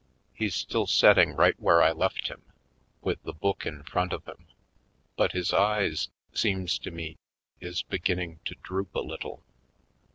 He's still setting right where I left him, with the book in front of him. But his eyes, seems to me, is beginning to droop a little.